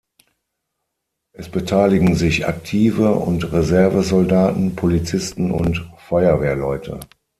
Es beteiligen sich aktive und Reserve-Soldaten, Polizisten und Feuerwehrleute.